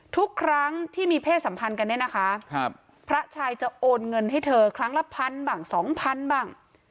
ทุกครั้งที่มีเพศสัมพันธ์กันเนี่ยนะคะพระชายจะโอนเงินให้เธอครั้งละพันบ้างสองพันบ้าง